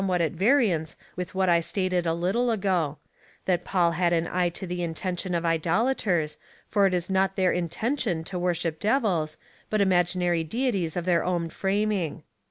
at variance with wliat I stated a little ago^ — that Paul had an eye to the intention of idolaters, for it is not their inten tion to worship devils, but imaginary deities of their own framing.